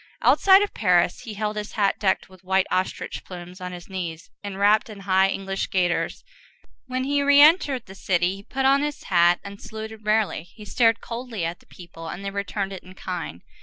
Outside of Paris, he held his hat decked with white ostrich plumes on his knees enwrapped in high English gaiters; when he re entered the city, he put on his hat and saluted rarely; he stared coldly at the people, and they returned it in kind.